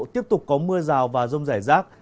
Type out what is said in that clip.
tiếp tục có mưa rào và rông rải rác